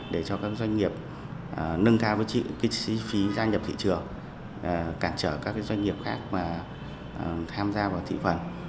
để cho các doanh nghiệp nâng cao với chi phí gia nhập thị trường cản trở các doanh nghiệp khác tham gia vào thị phần